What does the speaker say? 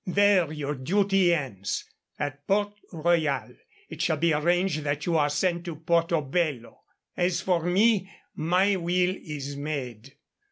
There your duty ends. At Port Royal it shall be arranged that you are sent to Porto Bello. As for me, my will is made."